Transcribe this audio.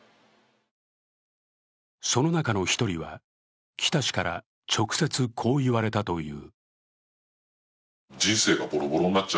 その中の１人は、北氏から直接こう言われたという。